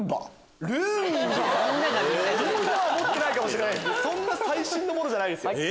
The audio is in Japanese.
みんなは持ってないかもしれないそんな最新のものじゃないです。